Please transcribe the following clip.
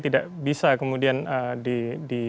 tidak bisa kemudian di